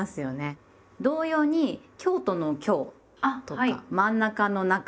同様に京都の「京」とか真ん中の「中」